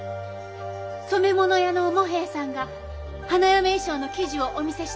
染め物屋の茂兵衛さんが花嫁衣装の生地をお見せしたいと。